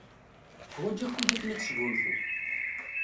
Teḥwaj akud akken ad tesgunfu.